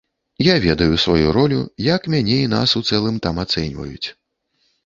Я ведаю сваю ролю, як мяне і нас у цэлым там ацэньваюць.